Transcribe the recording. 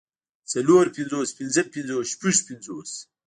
څلور پنځوس پنځۀ پنځوس شپږ پنځوس